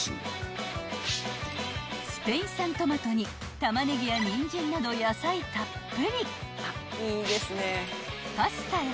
［スペイン産トマトに玉ねぎやにんじんなど野菜たっぷり］